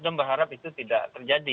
saya berharap itu tidak terjadi